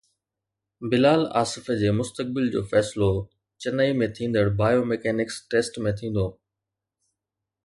بلال آصف جي مستقبل جو فيصلو چنائي ۾ ٿيندڙ بائيو ميڪينڪس ٽيسٽ ۾ ٿيندو